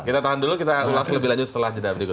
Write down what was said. kita tahan dulu kita ulas lebih lanjut setelah jeda berikut